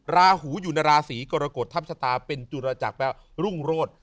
ราหูอยู่ในราศีกรกฎทัพชะตาเป็นจุรจักรแปลว่ารุ่งโรธ